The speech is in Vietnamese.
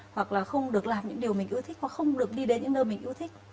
hoặc là không được làm những điều mình yêu thích không được đi đến những nơi mình yêu thích